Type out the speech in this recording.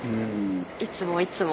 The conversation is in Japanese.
いつもいつも。